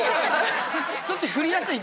そっち振りやすい？